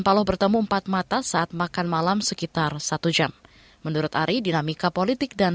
pertama kali kita berkahwin